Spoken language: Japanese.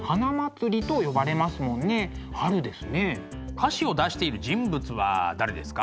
歌詞を出している人物は誰ですか？